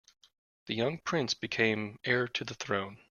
The young prince became heir to the throne.